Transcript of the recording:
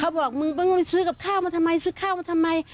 บอกมึงไปซื้อกับข้าวมาทำไมซื้อข้าวมาทำไม